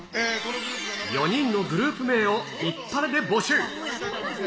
４人のグループ名をヒッパレで募集。